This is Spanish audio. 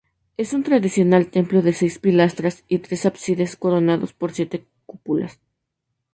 Es un tradicional templo de seis pilastras y tres ábsides coronados por siete cúpulas.